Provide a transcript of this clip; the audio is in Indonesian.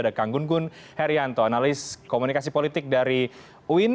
ada kang gunggun herianto analis komunikasi politik dari uin